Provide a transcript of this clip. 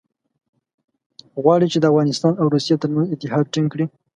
غواړي چې د افغانستان او روسیې ترمنځ اتحاد ټینګ کړي.